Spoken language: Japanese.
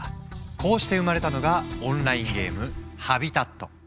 こうして生まれたのがオンラインゲーム「ＨＡＢＩＴＡＴ」。